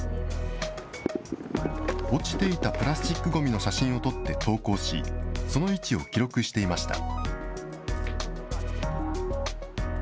落ちていたプラスチックごみの写真を撮って投稿し、その位置を記録していました。